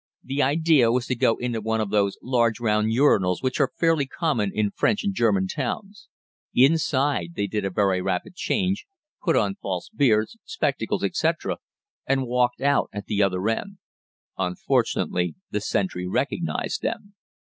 The idea was to go into one of those large round urinals which are fairly common in French and German towns. Inside they did a very rapid change, put on false beards, spectacles, etc., and walked out at the other end. Unfortunately the sentry recognized them.